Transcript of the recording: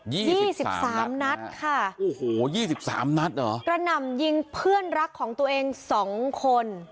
ยี่ยี่สิบสามนัดค่ะโอ้โหยี่สิบสามนัดเหรอกระหน่ำยิงเพื่อนรักของตัวเองสองคน